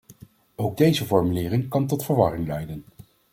Ook deze formulering kan tot verwarring leiden.